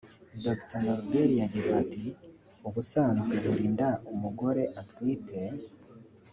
Dr Norbert yagize ati “Ubusanzwe buri nda umugore atwite